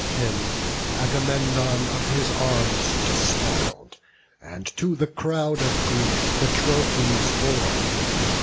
Him Agamemnon of his arms despoil'd, And to the crowd of Greeks the trophies bore.